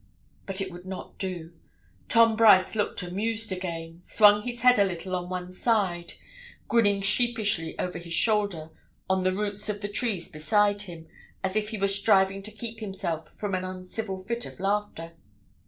But it would not do; Tom Brice looked amused again, swung his head a little on one side, grinning sheepishly over his shoulder on the roots of the trees beside him, as if he were striving to keep himself from an uncivil fit of laughter.